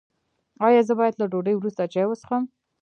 ایا زه باید له ډوډۍ وروسته چای وڅښم؟